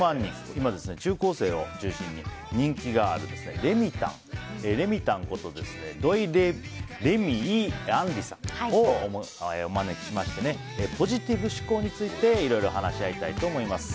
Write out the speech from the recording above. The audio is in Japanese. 今、中高生を中心に人気がある、レミたんこと土井レミイ杏利さんをお招きしましてポジティブ思考についていろいろ話し合いたいと思います。